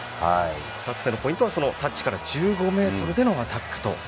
２つ目のポイントはタッチから１５ｍでのアタックと。